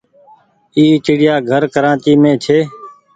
اي چڙيآ گهر ڪرآچي مين ڇي۔